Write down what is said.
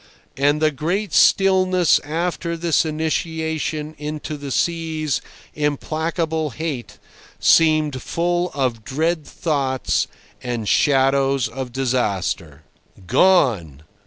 And the great stillness after this initiation into the sea's implacable hate seemed full of dread thoughts and shadows of disaster. "Gone!"